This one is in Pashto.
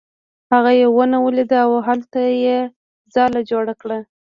هغه یوه ونه ولیده او هلته یې ځاله جوړه کړه.